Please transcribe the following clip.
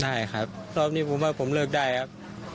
ใช่ครับรอบนี้ผมว่าผมเลิกได้ครับ